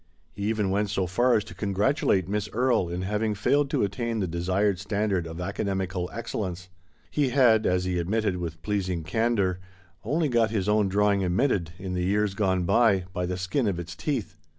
He even went so far as to con gratulate Miss Erie in having failed to attain the desired standard of excellence. He had, as he admitted with pleasing candour, only got his own drawing admitted, in the years gone by, " by the skin of its teeth."